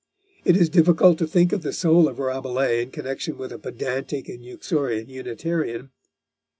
It is difficult to think of the soul of Rabelais in connection with a pedantic and uxorious Unitarian.